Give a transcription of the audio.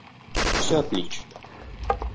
Всё отлично